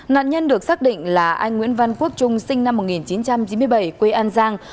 nạn nhân được xác định là anh nguyễn văn quốc trung sinh năm một nghìn chín trăm chín mươi bảy quê an giang